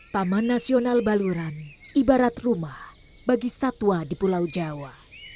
taman nasional baluran ibarat rumah bagi satwa di pulau jawa